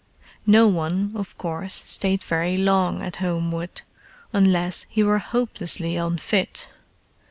No one, of course, stayed very long at Homewood, unless he were hopelessly unfit.